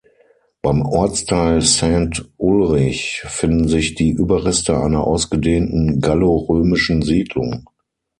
Beim Ortsteil Saint-Ulrich finden sich die Überreste einer ausgedehnten gallo-römischen Siedlung.